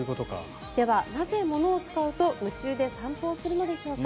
では、なぜ物を使うと夢中で散歩をするのでしょうか。